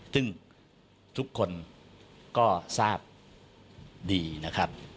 ซึ่งทุกคนก็ทราบดีนะครับ